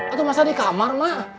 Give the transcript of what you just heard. atau masa di kamar ma